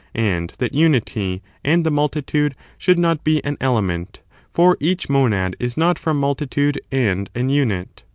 and that unity and the multitude should not be an element^ for each monad is not from multitude and an imit.